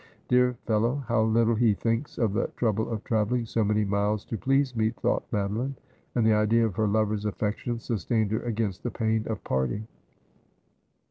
' Dear fellow, how little he thinks of the trouble of travel ling so many miles to please me,' thought Madoline ; and the idea of her lover's afEection sustained her against the pain of parting.